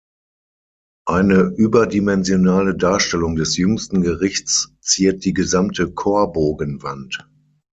Eine überdimensionale Darstellung des Jüngsten Gerichts ziert die gesamte Chorbogenwand.